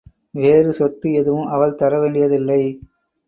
வேறு சொத்து எதுவும் அவள் தர வேண்டியதில்லை.